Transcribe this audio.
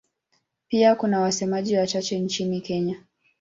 Pia kuna wasemaji wachache nchini Kenya.